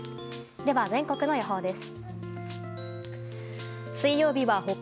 では、全国の予報です。